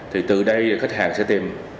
thì từ đây khách hàng sẽ tìm